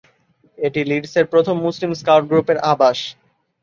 এটি লিডসের প্রথম মুসলিম স্কাউট গ্রুপের আবাস।